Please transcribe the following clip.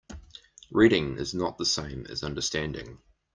Reading is not the same as understanding.